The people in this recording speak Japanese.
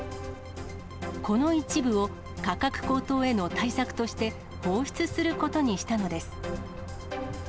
この一部を価格高騰への対策として、放出することにしたのです。